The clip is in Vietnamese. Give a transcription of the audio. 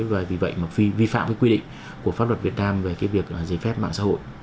và vì vậy mà phi vi phạm cái quy định của pháp luật việt nam về cái việc giấy phép mạng xã hội